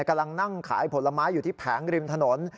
กำลังนั่งขายผลไม้อยู่ที่แผงริมถนน